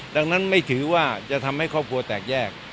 ดังนั้นไม่ถือว่าจะทำให้ครอบครัวแตกแยก